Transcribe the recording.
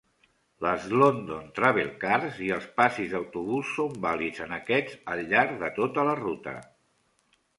Les London Travelcards i els passis d'autobús són vàlids en aquests al llarg de tota la ruta.